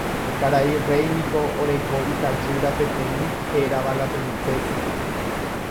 Karai rey niko oreko itajýra peteĩ hérava la Princesa.